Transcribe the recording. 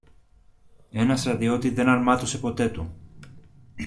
Ένα στρατιώτη δεν αρμάτωσε ποτέ του.